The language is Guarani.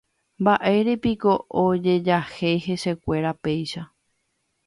Mbaʼérepiko ojejahéi hesekuéra péicha.